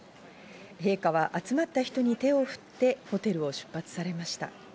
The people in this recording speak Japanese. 陛下は集まった人に手を振ってホテルを出発されました。